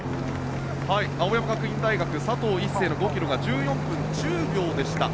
青山学院大学佐藤一世の５ｋｍが１４分１０秒でした。